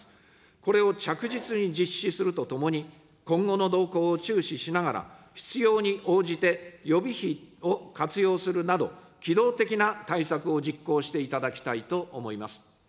これを着実に実施するとともに、今後の動向を注視しながら、必要に応じて予備費を活用するなど、機動的な対策を実行していただきたいと思います。